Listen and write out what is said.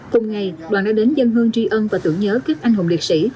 cùng ngày đoàn đã đến dân hương tri ân và tưởng nhớ các anh hùng liệt sĩ